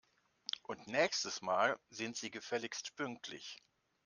Und nächstes Mal sind Sie gefälligst pünktlich!